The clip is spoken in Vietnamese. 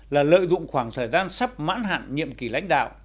là lợi dụng khoảng thời gian sắp mãn hạn nhiệm kỳ lãnh đạo